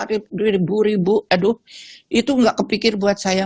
ribu ribu aduh itu nggak kepikir buat saya